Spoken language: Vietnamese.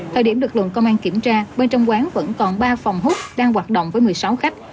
thời điểm lực lượng công an kiểm tra bên trong quán vẫn còn ba phòng hút đang hoạt động với một mươi sáu khách